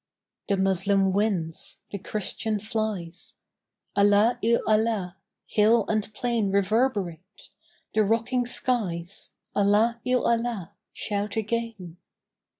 The Moslem wins: the Christian flies: "Allah il Allah," hill and plain Reverberate: the rocking skies, "Allah il Allah," shout again.